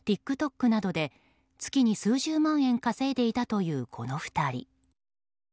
ＴｉｋＴｏｋなどで月に数十万円稼いでいたというこの２人。